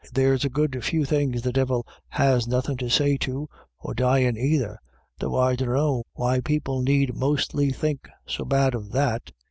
There's a good few things the Divil has nothin' to say to, or dyin' either, though I dunno why people need mostly think so bad of that.